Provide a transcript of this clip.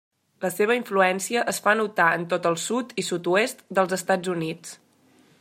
La seva influència es fa notar en tot el sud i sud-oest dels Estats Units.